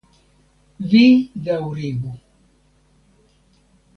vi daŭrigu!